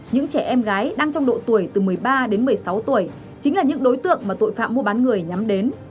những trẻ em gái đang trong độ tuổi từ một mươi ba đến một mươi sáu tuổi chính là những đối tượng mà tội phạm mua bán người nhắm đến